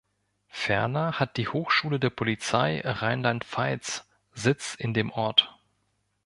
Ferner hat die Hochschule der Polizei Rheinland-Pfalz Sitz in dem Ort.